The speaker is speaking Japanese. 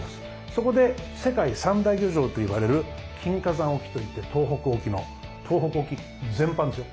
そこで世界３大漁場といわれる金華山沖といって東北沖の東北沖全般ですよ。